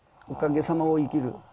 おかげさまを生きる。